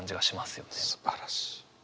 すばらしい。